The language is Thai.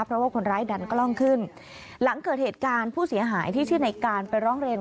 เพราะว่าคนร้ายดันกล้องขึ้นหลังเกิดเหตุการณ์ผู้เสียหายที่ชื่อในการไปร้องเรียน